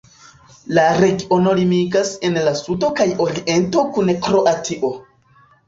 La regiono limigas en la sudo kaj oriento kun Kroatio.